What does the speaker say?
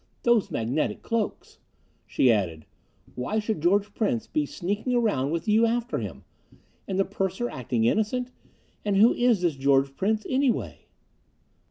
Those magnetic cloaks!" She added, "Why should George Prince be sneaking around with you after him? And the purser acting innocent? And who is this George Prince, anyway?"